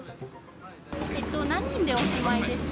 何人でお住まいですか？